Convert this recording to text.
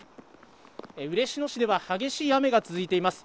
嬉野市では激しい雨が続いています。